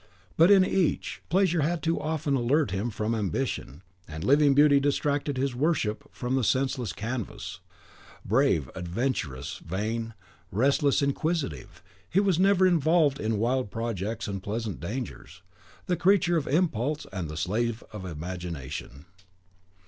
But in each, pleasure had too often allured him from ambition, and living beauty distracted his worship from the senseless canvas. Brave, adventurous, vain, restless, inquisitive, he was ever involved in wild projects and pleasant dangers, the creature of impulse and the slave of imagination.